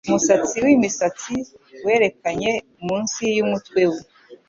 Umusatsi wimisatsi werekanye munsi yumutwe we